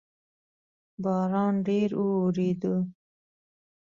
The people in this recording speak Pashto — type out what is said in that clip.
باران ډیر اووریدو